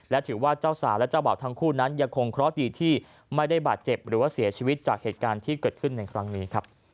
และถือว่าเจ้าสาวและเจ้าบ่าวทั้งคู่นั้นยังคงเคราะห์ดีที่ไม่ได้บาดเจ็บหรือว่าเสียชีวิตจากเหตุการณ์ที่เกิดขึ้นในครั้งนี้ครับ